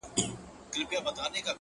داسي ژوند هم راځي تر ټولو عزتمن به يې،